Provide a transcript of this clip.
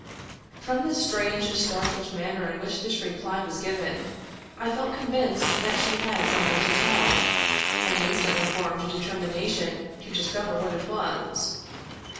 From the strange, startled manner in which this reply was given, I felt convinced that she had something to tell, and instantly formed a determination to discover what it was.